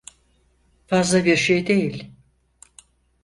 Fazla bir şey değil.